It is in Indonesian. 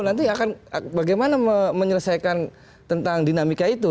nanti akan bagaimana menyelesaikan tentang dinamika itu